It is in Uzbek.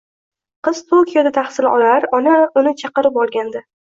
Qiz Tokioda tahsil olar, ona uni chaqirib olgandi